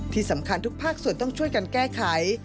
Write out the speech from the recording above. ที่สำคัญทุกภาคส่วนต้องช่วยกันแก้ไข